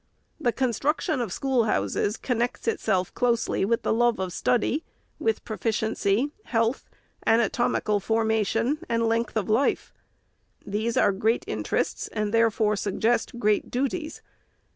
The construction of schoolhouses connects itself closely with the love of study, 436 REPOBT OP THE SECRETARY with proficiency, health, anatomical formation, and length of life. These are great interests, and therefore suggest great duties.